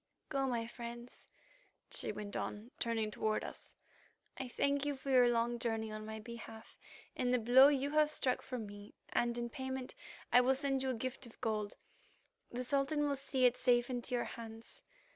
"Go, my friends," she went on, turning toward us. "I thank you for your long journey on my behalf and the blow you have struck for me, and in payment I will send you a gift of gold; the Sultan will see it safe into your hands.